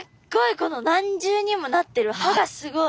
この何重にもなってる歯がすごい！